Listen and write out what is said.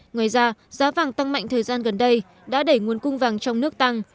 ngoài ra giá vàng tăng mạnh thời gian gần đây đã đẩy nguồn cung vàng trong nước tăng